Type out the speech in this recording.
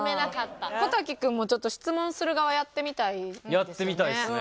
小瀧君もちょっと質問する側やってみたいですよね。